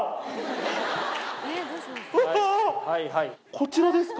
こちらですか。